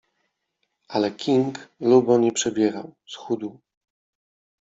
Ale King, lubo nie przebierał — schudł.